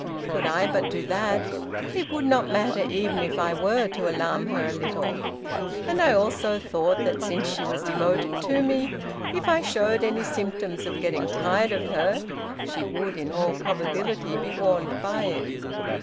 Could I but do that, it would not matter even if I were to alarm her a little. And I also thought that since she was devoted to me, if I showed any symptoms of getting tired of her, she would, in all probability, be warned by it.